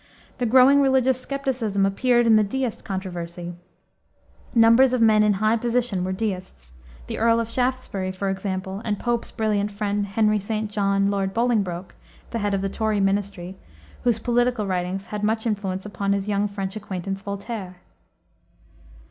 The growing religious skepticism appeared in the Deist controversy. Numbers of men in high position were Deists; the Earl of Shaftesbury, for example, and Pope's brilliant friend, Henry St. John, Lord Bolingbroke, the head of the Tory ministry, whose political writings had much influence upon his young French acquaintance, Voltaire.